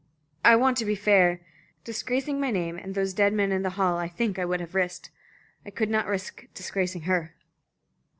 "I want to be fair. Disgracing my name and those dead men in the hall I think I would have risked. I could not risk disgracing her."